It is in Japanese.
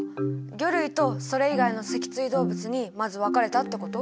魚類とそれ以外の脊椎動物にまず分かれたってこと？